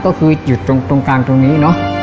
ก็คืออยู่ตรงกลางตรงนี้เนอะ